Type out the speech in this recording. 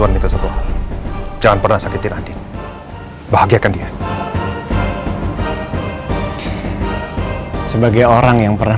tapi pekerjaanku tuh masih banyak ma